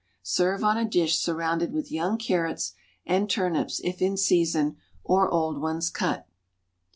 Serve on a dish surrounded with young carrots and turnips if in season, or old ones cut.